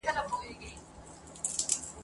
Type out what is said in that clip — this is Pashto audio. د همدې چوخې په زور لنګرچلیږي !.